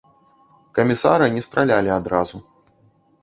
Камісара не стралялі адразу.